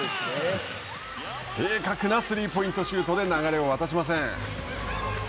正確なスリーポイントシュートで流れを渡しません。